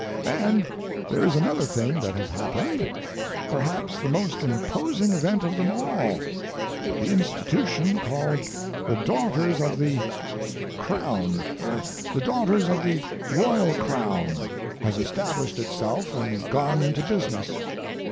And there is another thing that has happened, perhaps the most imposing event of them all: the institution called the Daughters of the—Crown—the Daughters of the Royal Crown—has established itself and gone into business.